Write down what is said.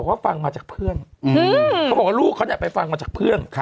ว่าประโยคเหล่านั้น